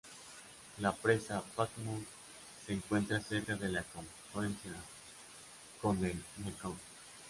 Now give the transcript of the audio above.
La presa "Pak Mun" se encuentra cerca de la confluencia con el Mekong.